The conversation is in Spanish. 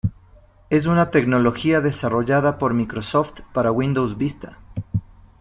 Es una tecnología desarrollada por Microsoft para Windows Vista.